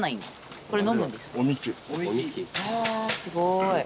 はあすごい。